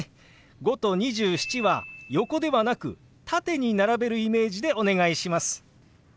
「５」と「２７」は横ではなく縦に並べるイメージでお願いします。